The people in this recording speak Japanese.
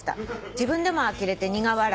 「自分でもあきれて苦笑い」